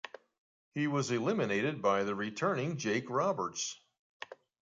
He was eliminated by the returning Jake Roberts.